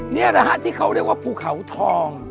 นี่แหละฮะที่เขาเรียกว่าภูเขาทอง